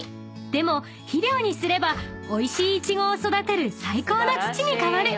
でも肥料にすればおいしいイチゴを育てる最高な土に変わる］